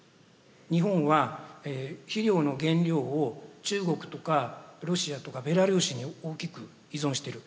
日本は肥料の原料を中国とかロシアとかベラルーシに大きく依存している。